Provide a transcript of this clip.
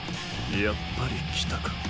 やっぱり来たか。